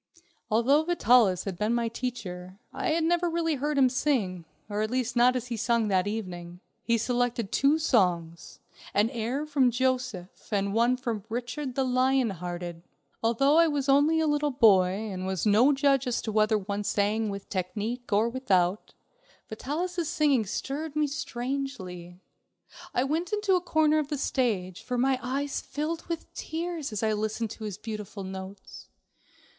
Although Vitalis had been my teacher, I had never really heard him sing, or at least not as he sung that evening. He selected two songs, an air from "Joseph" and one from "Richard the Lion Hearted." Although I was only a little boy and was no judge as to whether one sang with technique or without, Vitalis' singing stirred me strangely. I went into a corner of the stage, for my eyes filled with tears as I listened to his beautiful notes.